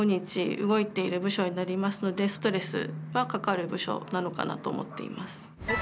動いている部署になりますのでストレスはかかる部署なのかなと思っています。